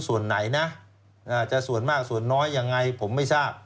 ส่วนไหนนะจะส่วนมากส่วนน้อยยังไงผมไม่ทราบ